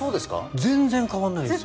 全然変わらないです。